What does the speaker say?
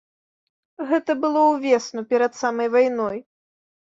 Гэта было ўвесну перад самай вайной.